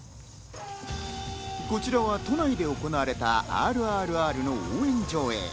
こちらは都内で行われた『ＲＲＲ』の応援上映。